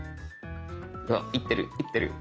いってるいってる。